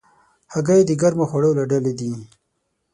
هګۍ د ګرمو خوړو له ډلې ده.